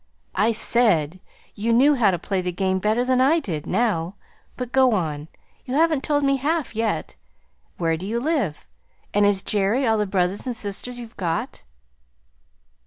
"I SAID you knew how to play the game better than I did, now. But go on. You haven't told me half, yet. Where do you live? And is Jerry all the brothers and sisters you've got?"